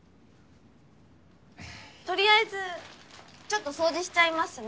とりあえずちょっと掃除しちゃいますね。